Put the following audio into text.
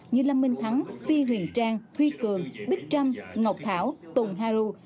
như lâm minh thắng phi huyền trang thuy cường bích trâm ngọc thảo tùng haru